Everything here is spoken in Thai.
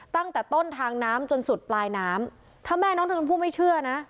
ตั้งแต่ต้นทางน้ำจนสุดปลายน้ำถ้าแม่น้องชมพู่ไม่เชื่อนะ